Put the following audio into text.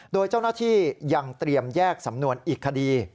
โดยเจ้าหน้าที่ยังเตรียมแยกสำนวนอีกคดี